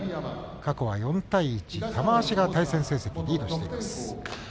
過去は４対１玉鷲が対戦成績リードしています。